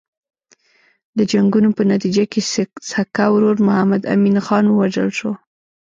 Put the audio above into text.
د جنګونو په نتیجه کې سکه ورور محمد امین خان ووژل شو.